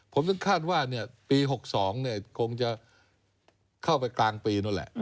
ผมก็คาดว่าปี๑๙๖๒คงจะเข้าไปทางปีนู้นแหละ